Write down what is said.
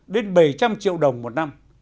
đến bảy trăm linh triệu đồng một năm